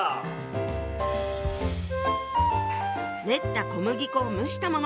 練った小麦粉を蒸したもの。